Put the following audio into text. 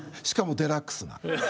しかもデラックスな。